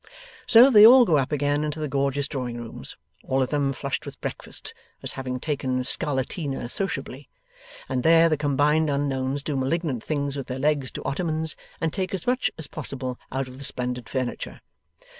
So they all go up again into the gorgeous drawing rooms all of them flushed with breakfast, as having taken scarlatina sociably and there the combined unknowns do malignant things with their legs to ottomans, and take as much as possible out of the splendid furniture.